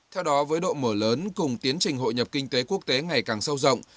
theo đó với độ mở lớn cùng tiến trình hội nhập kinh tế quốc tế ngày càng sâu rộng